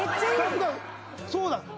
そうだ。